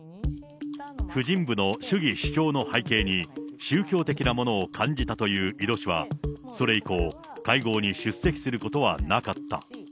婦人部の主義主張の背景に宗教的なものを感じたという井戸氏は、それ以降、会合に出席することはなかった。